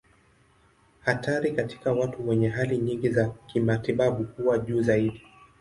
Hatari katika watu wenye hali nyingi za kimatibabu huwa juu zaidi.